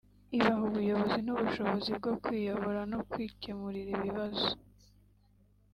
ibaha ubuyobozi n’ubushobozi bwo kwiyobora no kwikemurira ibibazo